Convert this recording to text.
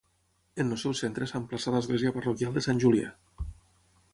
En el seu centre s'emplaça l'església parroquial de Sant Julià.